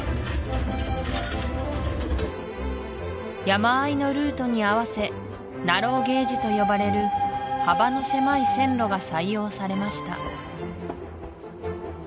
山あいのルートに合わせナローゲージと呼ばれる幅の狭い線路が採用されました